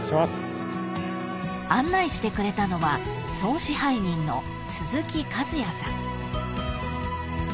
［案内してくれたのは総支配人の鈴木和也さん］